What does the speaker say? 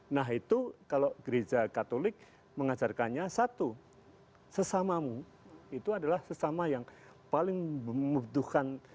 nah itu kalau gereja katolik mengajarkannya satu sesamamu itu adalah sesama yang paling membutuhkan